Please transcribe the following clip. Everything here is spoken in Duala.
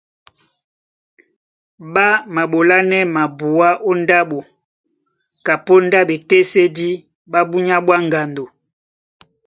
Ɓá maɓolánɛ́ mabuá ó ndáɓo kapóndá ɓetésédí ɓá búnyá ɓwá ŋgando,